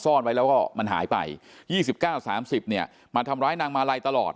ซ่อนไว้แล้วก็มันหายไป๒๙๓๐เนี่ยมาทำร้ายนางมาลัยตลอด